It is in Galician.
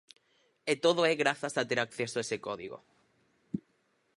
E todo é grazas a ter acceso a ese código.